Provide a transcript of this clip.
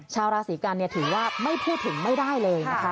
ชาวราศีกันถือว่าไม่พูดถึงไม่ได้เลยนะคะ